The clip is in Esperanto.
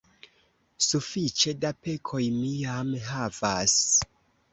sufiĉe da pekoj mi jam havas.